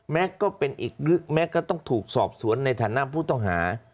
ก็เป็นอีกแม็กซก็ต้องถูกสอบสวนในฐานะผู้ต้องหา